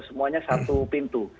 semuanya satu pintu